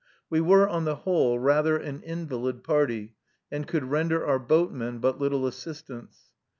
We were, on the whole, rather an invalid party, and could render our boatmen but little assistance.